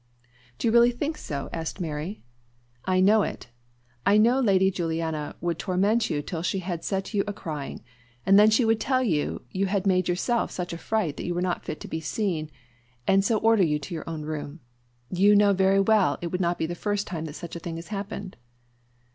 "Do you really think so?" asked Mary. "I know it. I know Lady Juliana would torment you till she had set you a crying; and then she would tell you you had made yourself such a fright that you were not fit to be seen, and so order you to your own room. You know very well it would not be the first time that such a thing has happened."